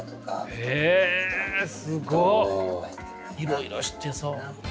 いろいろ知ってそう。